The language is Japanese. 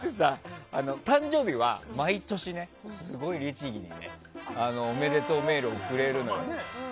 誕生日は、毎年すごい律義におめでとうメールを送れるのよ。